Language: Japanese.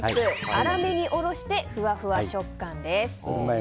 粗めにおろしてふわふわ食感です。